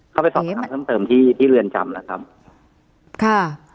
ไปสอบประคำเพิ่มเติมที่ที่เรือนจำแล้วครับค่ะ